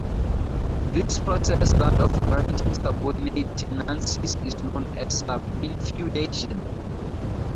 This process-that of granting subordinate tenancies-is known as subinfeudation.